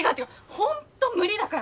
本当無理だから！